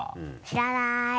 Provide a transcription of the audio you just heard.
知らない。